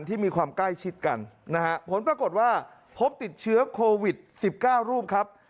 ที่มีความใกล้ชิดกันนะฮะผลปรากฏว่าพบติดเชื้อโควิด๑๙รูปครับ